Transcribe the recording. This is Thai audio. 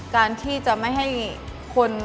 การที่จะไม่ให้คน